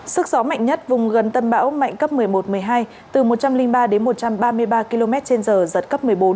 sức gió mạnh nhất vùng gần tâm bão mạnh cấp một mươi một một mươi hai từ một trăm linh ba đến một trăm ba mươi ba km trên giờ giật cấp một mươi bốn